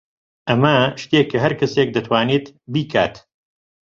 ئەمە شتێکە هەر کەسێک دەتوانێت بیکات.